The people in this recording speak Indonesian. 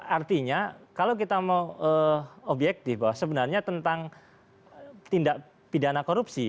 artinya kalau kita mau objektif bahwa sebenarnya tentang tindak pidana korupsi